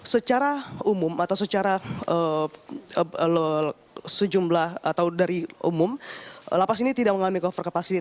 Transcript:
secara umum atau secara sejumlah atau dari umum lapas ini tidak mengalami over capacity